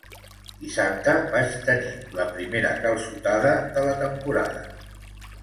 Dissabte vaig tenir la primera calçotada de la temporada.